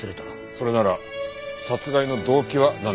それなら殺害の動機はなんだ？